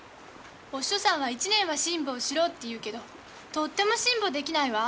お師匠さんは一年は辛抱しろって言うけどとっても辛抱できないわ。